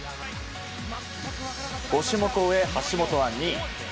５種目を終え橋本は２位。